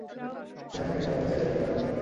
সে আমাকে কখনো ছেড়ে যেতে পারে না, হারামজাদা।